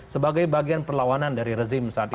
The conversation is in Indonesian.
sebagai bagian perlawanan dari rezim saat ini